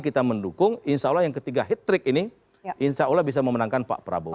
kita mendukung insya allah yang ketiga hat trick ini insya allah bisa memenangkan pak prabowo